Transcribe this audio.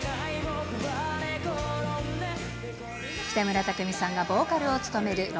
北村匠海さんがボーカルを務める